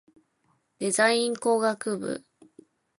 デザイン工学部